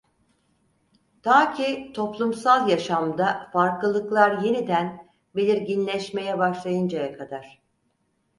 Ta ki, toplumsal yaşamda farklılıklar yeniden belirginleşmeye başlayıncaya kadar.